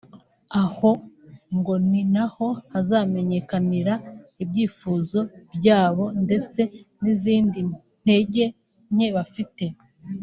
Aho ngo ni na ho hazamenyekanira ibyifuzo byabo ndetse n’izindi ntege nke bafite